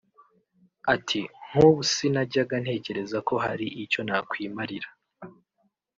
Ati “Nk’ubu sinajyaga ntekereza ko hari icyo nakwimarira